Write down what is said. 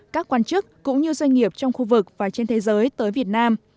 các quan chức cũng như doanh nghiệp trong khu vực và trên thế giới tới việt nam